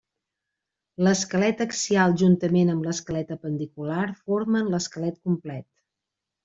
L'esquelet axial juntament amb l'esquelet apendicular formen l'esquelet complet.